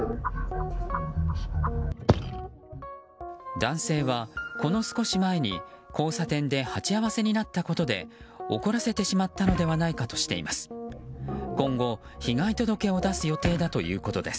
男性は、この少し前に交差点で鉢合わせになったことで怒らせてしまったのではないかとしています。